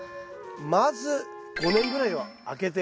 まず５年ぐらいはあけて。